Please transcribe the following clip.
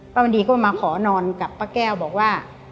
วันดีก็มาขอนอนกับป้าแก้วบอกว่า